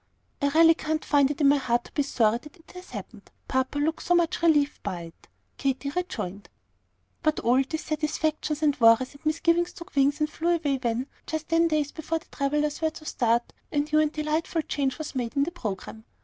"I really can't find it in my heart to be sorry that it has happened, papa looks so much relieved by it," Katy rejoined. But all dissatisfactions and worries and misgivings took wings and flew away when, just ten days before the travellers were to start, a new and delightful change was made in the programme.